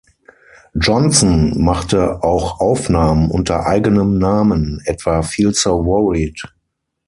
Johnson machte auch Aufnahmen unter eigenem Namen, etwa "Feel So Worried".